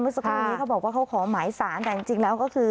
สักครู่นี้เขาบอกว่าเขาขอหมายสารแต่จริงแล้วก็คือ